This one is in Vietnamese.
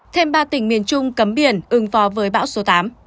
thêm ba tỉnh miền trung cấm biển ứng phó với bão số tám